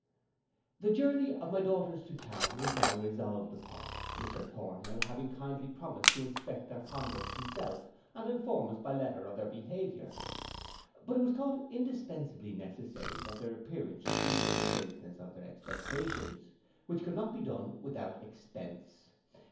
The journey of my daughters to town was now resolved upon, Mr Thornhill having kindly promised to inspect their conduct himself, and inform us by letter of their behaviour. But it was thought indispensably necessary that their appearance should equal the greatness of their expectations, which could not be done without expence.